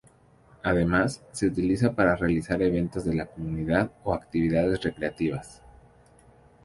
Además, se utiliza para realizar eventos de la comunidad o actividades recreativas.